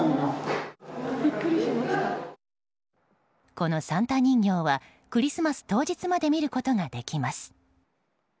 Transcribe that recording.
このサンタ人形はクリスマス当日まで見ることができます。